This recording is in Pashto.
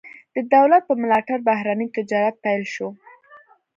د دولت په ملاتړ بهرنی تجارت پیل شو.